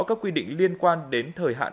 các quy định liên quan đến thời hạn